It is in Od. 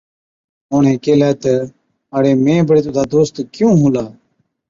اُڻهين ڪيهلَي تہ، ’اَڙي مين بڙي تُڌا دوست ڪِيُون هُلا؟‘